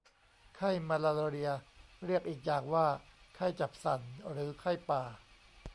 ไข้มาลาเรีย เรียกอีกอย่างว่าไข้จับสั่น หรือไข้ป่า